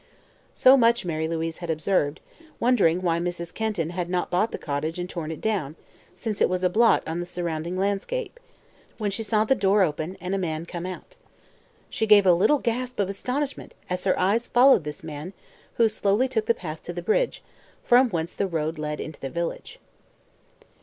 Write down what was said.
So much Mary Louise had observed, wondering why Mrs. Kenton had not bought the cottage and torn it down, since it was a blot on the surrounding landscape, when she saw the door open and a man come out. She gave a little gasp of astonishment as her eyes followed this man, who slowly took the path to the bridge, from whence the road led into the village.